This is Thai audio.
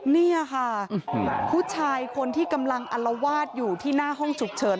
นี่ค่ะผู้ชายคนที่กำลังอัลวาดอยู่ที่หน้าห้องฉุกเฉิน